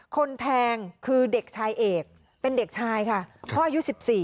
คนแทงคือเด็กชายเอกเป็นเด็กชายค่ะพ่ออายุ๑๔